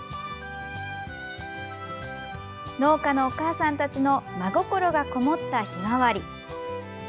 農家のお母さんたちの真心がこもったひまわり。